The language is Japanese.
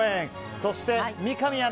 そして、三上アナ